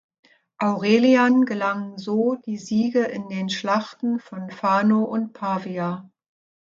Aurelian gelangen so die Siege in den Schlachten von Fano und Pavia.